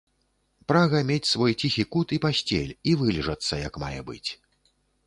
Прага мець свой ціхі кут і пасцель і вылежацца як мае быць.